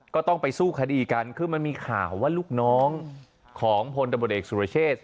ก็ต้องไปสู้คดีกันคือมันมีข่าวว่าลูกน้องของพลตำรวจเอกสุรเชษ